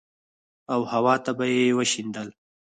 او هوا ته به يې وشيندل.